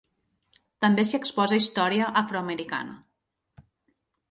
També s'hi exposa història afroamericana.